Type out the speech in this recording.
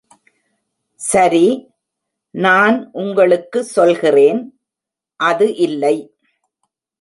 சரி, நான் உங்களுக்கு சொல்கிறேன், அது இல்லை!